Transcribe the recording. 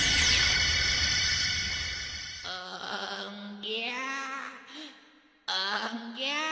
おんぎゃあおんぎゃあ。